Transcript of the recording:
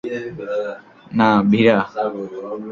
না, ভীরা।